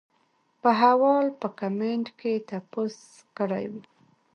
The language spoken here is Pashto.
پۀ حواله پۀ کمنټ کښې تپوس کړے وۀ -